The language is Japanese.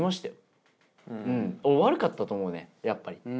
悪かったと思うねやっぱり。